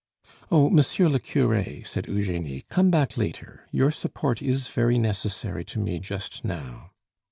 "Oh! monsieur le cure," said Eugenie, "come back later; your support is very necessary to me just now."